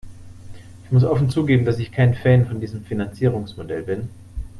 Ich muss offen zugeben, dass ich kein Fan von diesem Finanzierungsmodell bin.